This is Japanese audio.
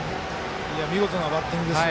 見事なバッティングですよ。